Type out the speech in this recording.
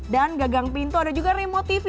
dan gagang pintu ada juga remote tv